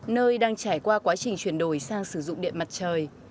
nơi đang trải qua quá trình chuyển đổi sang sử dụng điện mặt trời